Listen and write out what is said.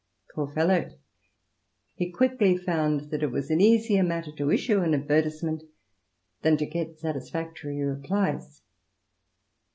Poor fellow 1 he quickly found that it was an easier matter to issue an advertisement than to get satisfactory replies.